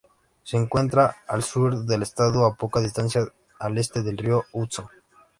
Se encuentra al sur del estado, a poca distancia al este del río Hudson.